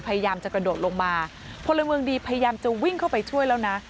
พยายามจะกระโดดลงมาพลเมืองดีพยายามจะวิ่งเข้าไปช่วยแล้วนะ